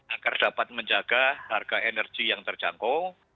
agar dapat menjaga harga energi yang terjangkau